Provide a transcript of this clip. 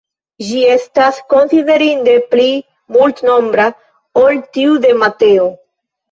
Ĝi estas konsiderinde pli multnombra ol tiu de Mateo.